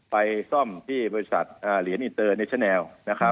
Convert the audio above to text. ไปซ่อมที่บริษัทเหรียญอินเตอร์เนชแลล์